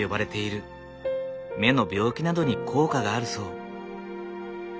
目の病気などに効果があるそう。